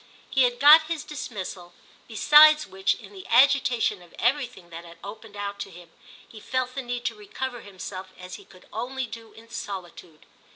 He had got his dismissal; besides which, in the agitation of everything that had opened out to him, he felt the need to recover himself as he could only do in solitude.